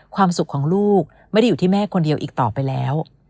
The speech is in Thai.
ความสุขของลูกไม่ได้อยู่ที่แม่คนเดียวอีกต่อไปแล้ว